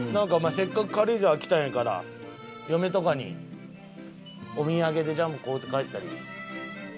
せっかく軽井沢来たんやから嫁とかにお土産でジャム買うて帰ったり。